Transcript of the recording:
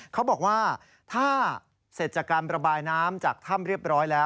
เขาบอกว่าถ้าเสร็จจากการประบายน้ำจากถ้ำเรียบร้อยแล้ว